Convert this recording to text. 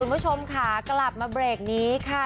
คุณผู้ชมค่ะกลับมาเบรกนี้ค่ะ